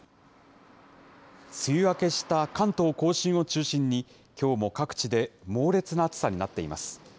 梅雨明けした関東甲信を中心に、きょうも各地で猛烈な暑さになっています。